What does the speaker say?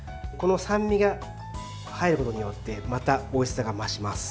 酸味が入ることによってまたおいしさが増します。